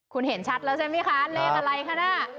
คุณเห็นชัดแล้วใช่ไหมคะเลขอะไรคะน่ะ